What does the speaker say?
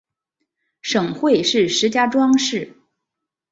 省会是石家庄市。